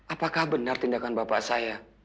apakah benar tindakan bapak saya